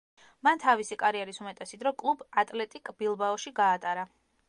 მან თავისი კარიერის უმეტესი დრო კლუბ „ატლეტიკ“ ბილბაოში გაატარა.